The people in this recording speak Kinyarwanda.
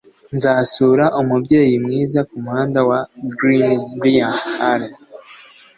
Nzasura umubyeyi mwiza kumuhanda wa Greenbriar.